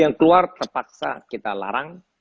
yang keluar terpaksa kita larang